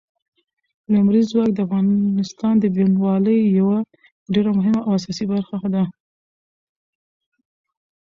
لمریز ځواک د افغانستان د بڼوالۍ یوه ډېره مهمه او اساسي برخه ده.